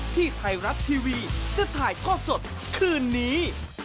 ที่ไทยรัฐทีวีจะถ่ายทอดสดคืนนี้